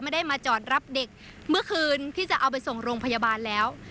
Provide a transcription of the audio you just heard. ไม่ได้มาจอดรับเด็กเมื่อคืนที่จะเอาไปส่งโรงพยาบาลแล้ว